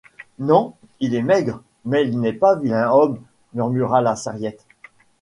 Non, il est maigre, mais il n’est pas vilain homme, murmura la Sarriette.